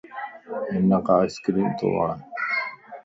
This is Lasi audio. ھينک آئس ڪريم تووڻ